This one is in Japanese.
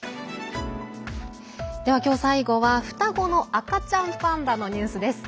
では今日最後は双子の赤ちゃんパンダのニュースです。